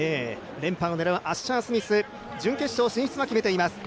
連覇を狙うアッシャー・スミス、準決勝進出を決めています。